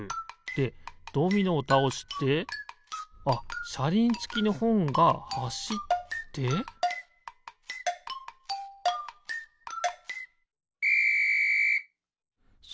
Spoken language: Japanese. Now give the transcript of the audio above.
でドミノをたおしてあっしゃりんつきのほんがはしってピッ！